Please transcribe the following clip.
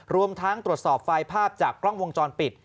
รวมทั้งตรวจสอบไฟล์ภาพจากกล้องวงจรปิด